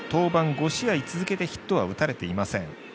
５試合続けてヒットは打たれていません。